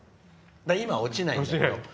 今、落ちないんだけど。